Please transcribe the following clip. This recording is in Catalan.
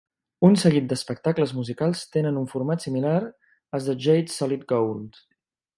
Un seguit d'espectacles musicals tenen un format similar al de Jade Solid Gold.